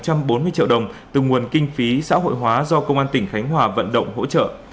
tổng kinh phí xây dựng là một trăm bốn mươi triệu đồng từ nguồn kinh phí xã hội hóa do công an tỉnh khánh hòa vận động hỗ trợ